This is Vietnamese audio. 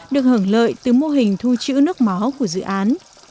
được hưởng lợi từ mô hình thu chữ nước máu của dự án